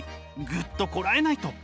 グッとこらえないと。